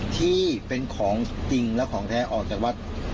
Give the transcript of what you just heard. ที่เป็นของจริงและของแท้ออกจากวัด